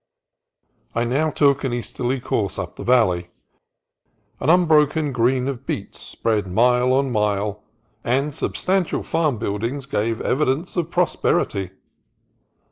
I now took an easterly course up the valley. An unbroken green of beets spread mile on mile, and substantial farm buildings gave evidence of pros perity.